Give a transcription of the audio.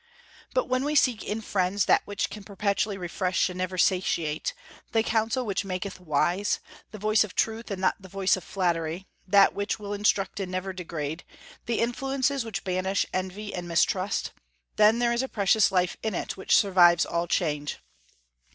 But when we seek in friends that which can perpetually refresh and never satiate, the counsel which maketh wise, the voice of truth and not the voice of flattery; that which will instruct and never degrade, the influences which banish envy and mistrust, then there is a precious life in it which survives all change.